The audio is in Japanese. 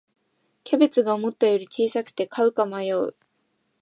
キャベツが思ったより小さくて買うか迷う